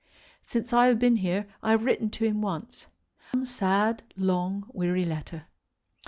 Since I have been here I have written to him once, one sad, long, weary letter.